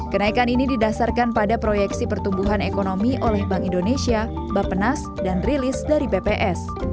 kenaikan ini didasarkan pada proyeksi pertumbuhan ekonomi oleh bank indonesia bapenas dan rilis dari bps